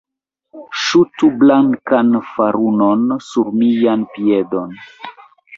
Ŝutu blankan farunon sur mian piedon.